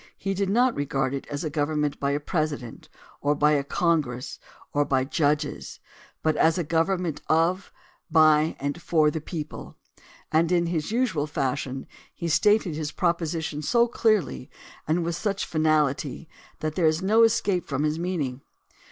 He did not regard it as a government by a president, or by a congress, or by judges, but as a government of, by and for the people, and in his usual fashion he stated his proposition so clearly and with such finahty that there is no escape from his meaning.